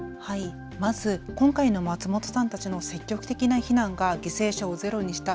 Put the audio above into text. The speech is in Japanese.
まず今回の松本さんたちの積極的な避難が犠牲者をゼロにした。